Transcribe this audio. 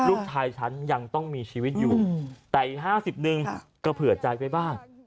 ลูกชายฉันยังต้องมีชีวิตอยู่แต่อีก๕๐นึงก็เผื่อใจไว้บ้าง